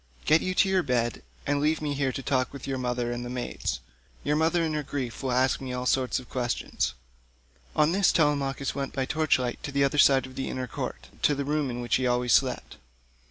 Get you to your bed, and leave me here to talk with your mother and the maids. Your mother in her grief will ask me all sorts of questions." On this Telemachus went by torch light to the other side of the inner court, to the room in which he always slept.